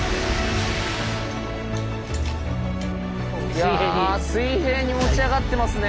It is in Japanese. いや水平に持ち上がってますね。